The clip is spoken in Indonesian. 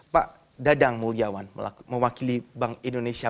pak dadang mulyawan mewakili bank indonesia